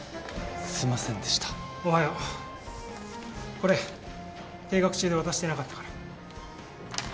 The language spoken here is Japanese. これ停学中で渡してなかったから。